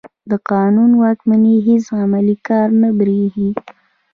د قانون واکمني هېڅ عملي کار نه برېښي.